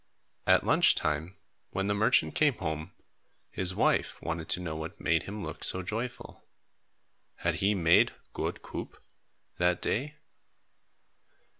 At lunch time, when the merchant came home, his wife wanted to know what made him look so joyful. Had he made "goed koop" that day?